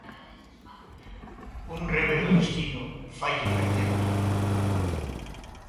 Un revés do destino faille perder todo.